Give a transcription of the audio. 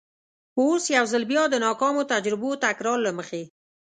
اوس یو ځل بیا د ناکامو تجربو تکرار له مخې.